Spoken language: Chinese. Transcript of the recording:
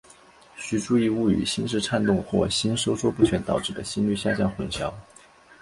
须注意勿与心室颤动或心收缩不全导致的心率下降混淆。